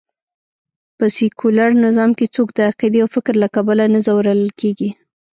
په سکیولر نظام کې څوک د عقېدې او فکر له کبله نه ځورول کېږي